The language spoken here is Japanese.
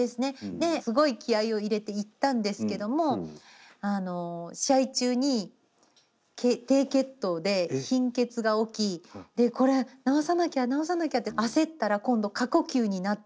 ですごい気合いを入れていったんですけども試合中に低血糖で貧血が起き「これ治さなきゃ治さなきゃ」って焦ったら今度過呼吸になってしまって。